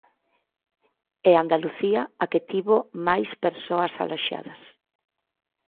E Andalucía, a que tivo máis persoas aloxadas.